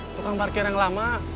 tukang parkir yang lama